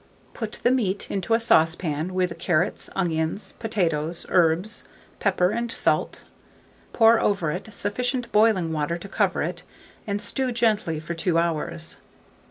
Put the meat into a stewpan with the carrots, onions, potatoes, herbs, pepper, and salt; pour over it sufficient boiling water to cover it, and stew gently for 2 hours.